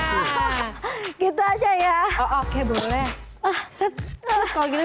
tante yang penting happy ya tante ya